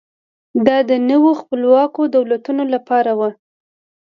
دا د نویو خپلواکو دولتونو لپاره و.